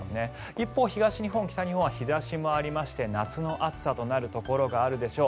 一方、東日本、北日本は日差しもありまして夏の暑さとなるところがあるでしょう。